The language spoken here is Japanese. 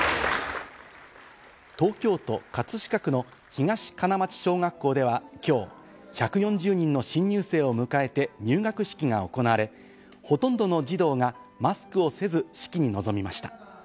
東京都葛飾区の東金町小学校では今日、１４０人の新入生を迎えて入学式が行われ、ほとんどの児童がマスクをせず式に臨みました。